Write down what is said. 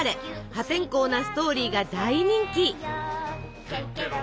破天荒なストーリーが大人気！